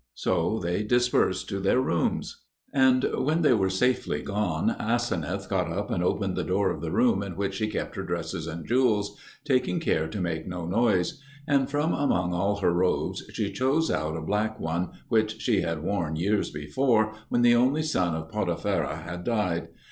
So they dispersed to their rooms. And when they were safely gone, Aseneth got up and opened the door of the room in which she kept her dresses and jewels, taking care to make no noise; and from among all her robes she chose out a black one which she had worn, years before, when the only son of Potipherah had died.